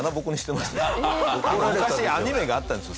昔アニメがあったんですよ。